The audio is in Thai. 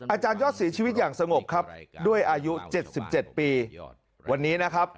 อาจารยอดเสียชีวิตอย่างสงบครับด้วยอายุ๗๗ปีวันนี้นะครับ